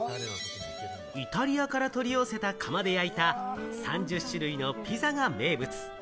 イタリアから取り寄せた窯で焼いた３０種類のピザが名物。